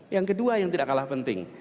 yang kedua yang tidak kalah penting